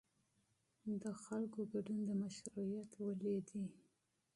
د خلکو ګډون د مشروعیت ریښه ده